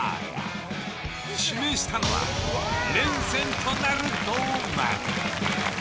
指名したのは連戦となる堂前。